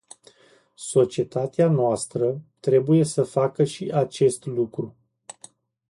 Societatea noastră trebuie să facă și acest lucru.